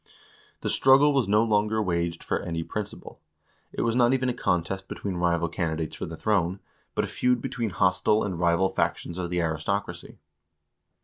1 The struggle was no longer waged for any principle. It was not even a contest between rival candidates for the throne, but a feud between hostile and rival factions of the aristocracy.